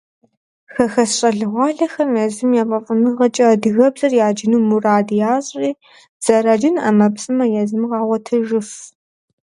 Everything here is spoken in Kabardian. Хэхэс щӏалэгъуалэхэм езым я фӏэфӏыныгъэкӏэ адыгэбзэр яджыну мурад ящӏри, зэраджын ӏэмэпсымэ езым къагъуэтыжыф.